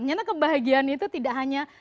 ternyata kebahagiaan itu tidak hanya di jakarta